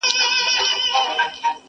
دیدن د بادو پیمانه ده!.